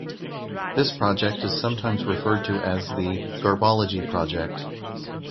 This project is sometimes referred to as the "garbology project".